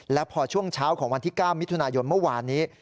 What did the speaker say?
และพอช่วงเช้าของวันที่๙มิถุนายนเมื่อวานนี้